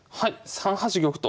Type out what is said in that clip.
３八玉と。